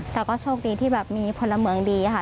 แต่ก็โชคดีที่แบบมีพลเมืองดีค่ะ